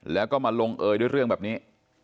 แล้วก็มาลงเอยด้วยเรื่องแบบนี้